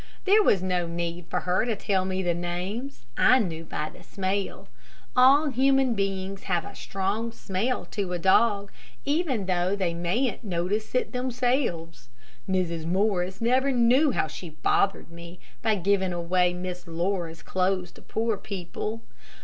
There was no need for her to tell me the names. I knew by the smell. All human beings have a strong smell to a dog, even though they mayn't notice it themselves. Mrs. Morris never knew how she bothered me by giving away Miss Laura's clothes to poor people.